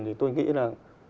thì tôi nghĩ là